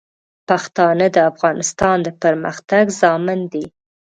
پښتانه د افغانستان د پرمختګ ضامن دي.